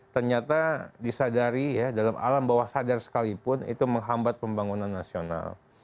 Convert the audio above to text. ternyata disadari ya dalam alam bawah sadar sekalipun itu menghambat pembangunan nasional